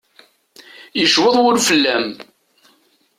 Yecweḍ wul fell-am.